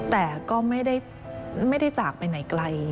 แต่ก็ไม่ได้จากไปไหนไกล